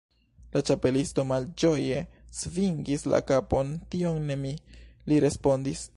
La Ĉapelisto malĝoje svingis la kapon. "Tion ne mi," li respondis."